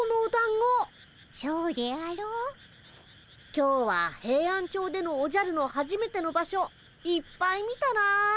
今日はヘイアンチョウでのおじゃるのはじめての場所いっぱい見たなあ。